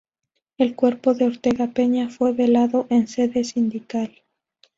El cuerpo de Ortega Peña fue velado en sede sindical.